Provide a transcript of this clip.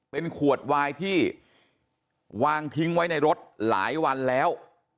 เป็นขวดวายที่วางทิ้งไว้ในรถหลายวันแล้ว